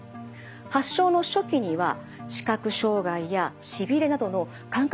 発症の初期には視覚障害やしびれなどの感覚